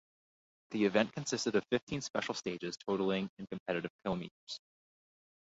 The event consisted of fifteen special stages totalling in competitive kilometres.